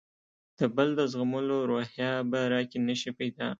د بل د زغملو روحیه به راکې نه شي پیدا.